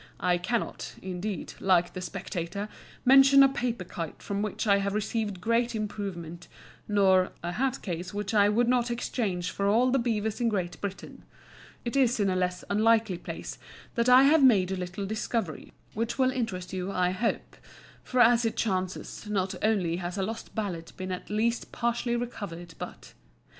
I cannot, indeed, like the "Spectator," "mention a paper kite from which I have received great improvement," nor "a hat case which I would not exchange for all the beavers in Great Britain." It is in a less unlikely place that I have made a little discovery which will interest you, I hope; for as it chances, not only has a lost ballad been at least partially recovered, but